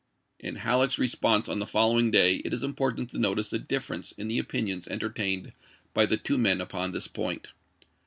In Halleck's response on the following day it is important to notice the difference in the opinions entertained by the two men upon this point.